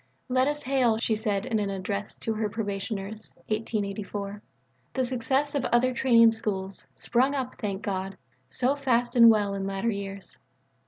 "Let us hail," she said in an Address to her own Probationers (1884), "the successes of other Training Schools, sprung up, thank God, so fast and well in latter years.